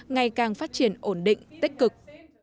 ngày càng phát triển ổn định tích cực